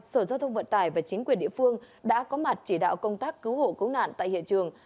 sở giao thông vận tải và chính quyền địa phương đã có mặt chỉ đạo công tác cứu hộ cứu nạn tại hiện trường